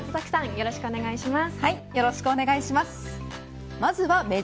よろしくお願いします。